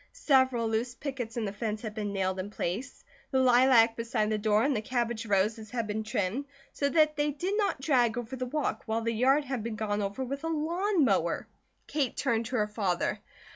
Several loose pickets in the fence had been nailed in place. The lilac beside the door and the cabbage roses had been trimmed, so that they did not drag over the walk, while the yard had been gone over with a lawn mower. Kate turned to her father.